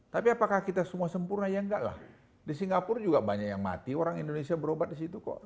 tapi apakah kita semua sempurna ya enggak lah di singapura juga banyak yang mati orang indonesia berobat di situ kok